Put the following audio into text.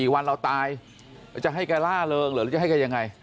วันเราตายจะให้แกล่าเริงหรือจะให้แกยังไง